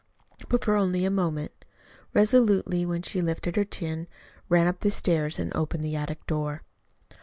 But for only a moment. Resolutely then she lifted her chin, ran up the stairs, and opened the attic door.